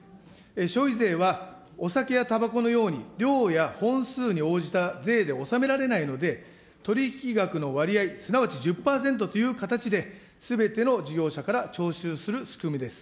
消費税はお酒やたばこのように、量や本数に応じた税で納められないので、取り引き額の割合、すなわち１０％という形で、すべての事業者から徴収する仕組みです。